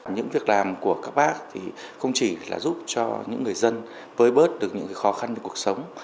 những việc làm của các bác thì không chỉ là giúp cho những người dân bới bớt được những khó khăn trong cuộc sống